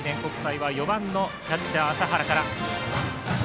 クラーク記念国際は４番のキャッチャー、麻原から。